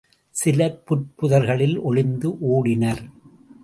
சிலர் புற்புதர்களில் ஒளிந்து ஓடினர்.